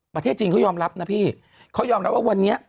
ประเทศจีนเขายอมรับนะพี่เขายอมรับว่าวันนี้